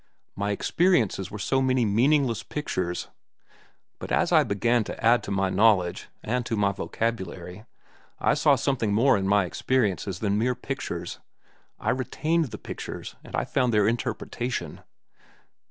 My experiences were so many meaningless pictures. But as I began to add to my knowledge, and to my vocabulary, I saw something more in my experiences than mere pictures. I retained the pictures and I found their interpretation.